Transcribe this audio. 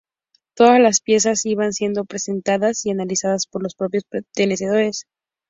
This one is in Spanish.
Todas las piezas iban siendo presentadas y analizadas por los propios presentadores.